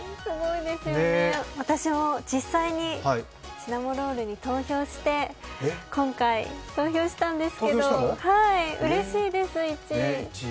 私も実際にシナモロールに今回、投票したんですけど、うれしいです、１位。